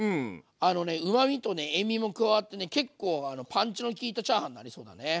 あのねうまみと塩みも加わってね結構パンチの効いたチャーハンになりそうだね。